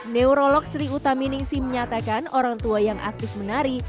neurolog sri uta miningsi menyatakan orang tua yang aktif menari